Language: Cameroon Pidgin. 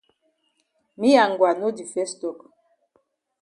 Me and Ngwa no di fes tok.